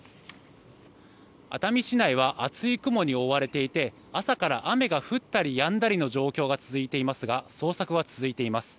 熱海市内は厚い雲に覆われていて朝から雨が降ったりやんだりの状況が続いていますが捜索は続いています。